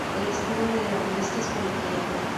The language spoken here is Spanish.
El estilo de la revista es coloquial.